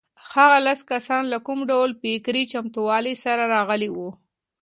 هغه لس کسان له کوم ډول فکري چمتووالي سره راغلي وو؟